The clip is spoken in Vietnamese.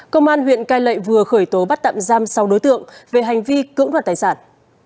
công an huyện cai lệ vừa khởi tố bắt tạm giam sáu đối tượng về hành vi cưỡng đoạt tài sản